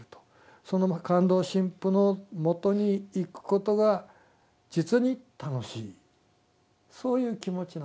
そのカンドウ神父のもとに行くことが実に楽しいそういう気持ちなんですよ。